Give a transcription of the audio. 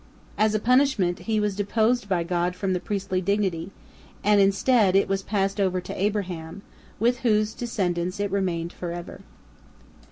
As a punishment, he was deposed by God from the priestly dignity, and instead it was passed over to Abraham, with whose descendants it remained forever.